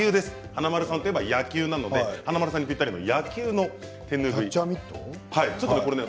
華丸さんといえば野球なので華丸さんにぴったりのキャッチャーミット？